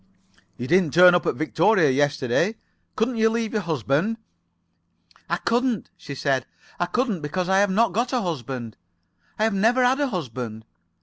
"You didn't turn up at Victoria yesterday. Couldn't you leave your husband?" "I couldn't," she said. "I couldn't, because I've not got a husband. And have never had a husband.